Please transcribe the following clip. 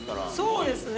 そうですね。